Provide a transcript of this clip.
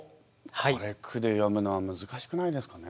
これ句で詠むのは難しくないですかね？